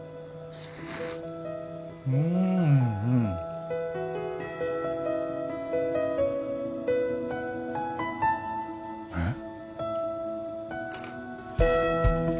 うんうんえっ？